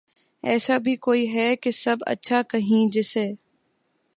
ایسا بھی کوئی ھے کہ سب اچھا کہیں جسے